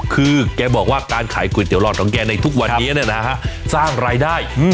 คือแกบอกว่าการขายก๋วยเตี๋ยหลอดของแกในทุกวันนี้เนี่ยนะฮะสร้างรายได้